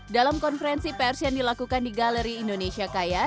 dalam konferensi pers yang dilakukan di galeri indonesia kaya